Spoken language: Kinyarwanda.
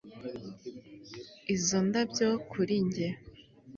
izo ndabyo kuri njye